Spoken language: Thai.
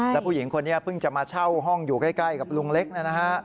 แล้วผู้หญิงคนนี้เพิ่งจะมาเช่าห้องอยู่ใกล้กับลุงเล็กนะฮะ